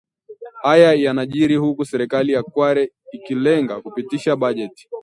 Haya yanajiri huku serikali ya Kwale ikilenga kupitisha bajeti